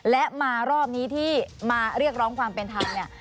และมารอบนี้ที่มาเรียกร้องความเป็นธรรมเนี่ย